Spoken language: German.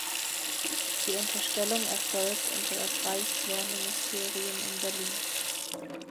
Die Unterstellung erfolgt unter das Reichswehrministerium in Berlin.